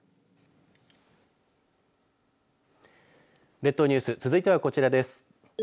列島ニュース続いてはこちらです。